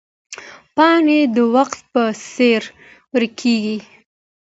پاڼې د وخت په څېر ورکېږي